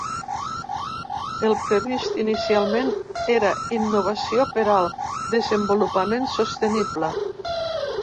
El previst inicialment era Innovació per al desenvolupament sostenible.